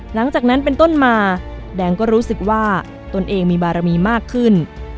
หลังจากนั้นเป็นต้นมาแดงก็รู้สึกว่าตนเองมีบารมีมากขึ้น